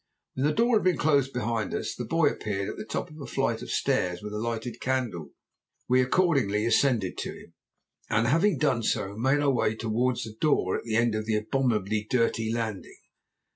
"When the door had been closed behind us the boy appeared at the top of a flight of stairs with a lighted candle. We accordingly ascended to him, and having done so made our way towards a door at the end of the abominably dirty landing.